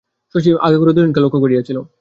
শশী আগাগোড়া দুজনকে লক্ষ করিয়াছিল।